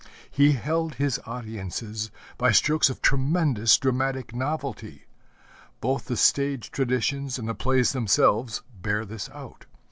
He held his audiences by strokes of tremendous dramatic novelty. Both the stage traditions and the plays themselves bear this out.